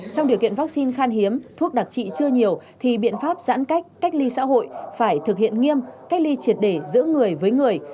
trong điều kiện vaccine khan hiếm thuốc đặc trị chưa nhiều thì biện pháp giãn cách cách ly xã hội phải thực hiện nghiêm cách ly triệt để giữa người với người